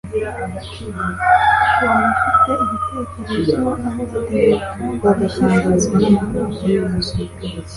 Waba ufite igitekerezo aho Rutebuka yashyize urufunguzo?